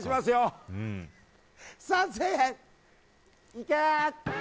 いけ！